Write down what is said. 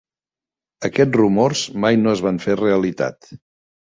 Aquests rumors mai no es van fer realitat.